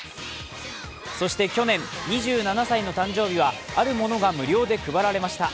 そして去年、２７歳の誕生日はあるものが無料て配られました。